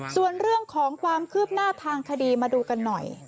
ส่วนเรื่องของความคืบหน้าทางคดีมาดูกันหน่อย